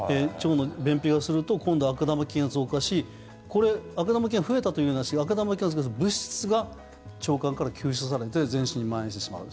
便秘をすると今度は悪玉菌が増加しこれ、悪玉菌が増えた悪玉菌が出す物質が腸管から吸収されて全身にまん延してしまう。